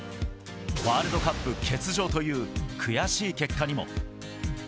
ワールドカップ欠場という悔しい結果にも。